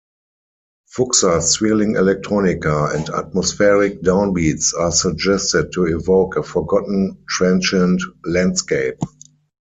Fuxa's swirling electronica and atmospheric downbeats are suggested to evoke a forgotten transient landscape.